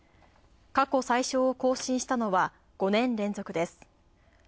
過去最小を更新したのは５年連続です。